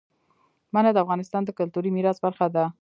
منی د افغانستان د کلتوري میراث برخه ده.